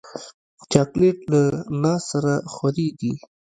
چاکلېټ له ناز سره خورېږي.